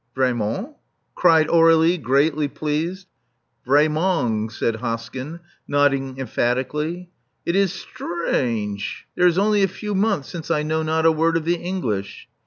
Vraiment?" cried Aurdlie, greatly pleased. Vra3nnong," said Hoskyn, nodding emphatically. It is sthrench. There is only a few months since I know not a word of the English."